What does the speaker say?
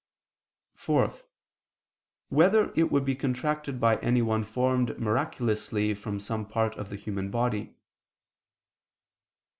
(4) Whether it would be contracted by anyone formed miraculously from some part of the human body?